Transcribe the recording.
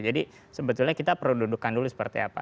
jadi sebetulnya kita perlu dudukkan dulu seperti apa